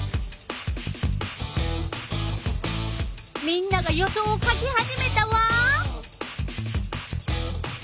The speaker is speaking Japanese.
みんなが予想を書き始めたわ。